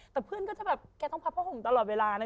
แต่เพื่อนก็จะแบบแกต้องพับผ้าห่มตลอดเวลานะ